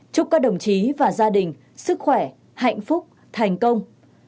chúc các đồng chí và gia đình sức khỏe hạnh phúc thành công